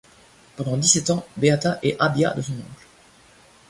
Pendant dix-sept ans, Beata est abiã de son oncle.